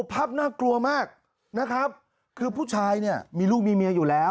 ภาพน่ากลัวมากนะครับคือผู้ชายเนี่ยมีลูกมีเมียอยู่แล้ว